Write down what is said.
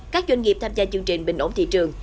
các doanh nghiệp tham gia chương trình bình ổn thị trường